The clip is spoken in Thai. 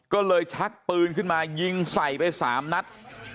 ก็เลยชักปืนขึ้นมายิงใส่ไป๓นัด